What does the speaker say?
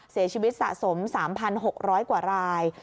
เสียชีวิตสะสม๓๖๐๐กว่าราย